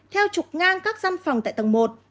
theo trục ngang các giam phòng tại tầng một